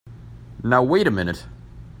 Now wait a minute!